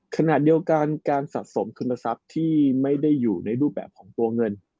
ขณะเดียวกันการสะสมคุณทรัพย์ที่ไม่ได้อยู่ในรูปแบบของตัวเงิน